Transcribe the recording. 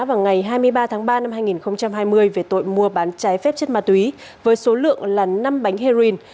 vào ngày hai mươi ba tháng ba năm hai nghìn hai mươi về tội mua bán trái phép chất ma túy với số lượng là năm bánh heroin